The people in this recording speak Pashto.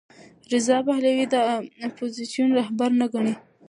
رضا پهلوي د اپوزېسیون رهبر نه ګڼي.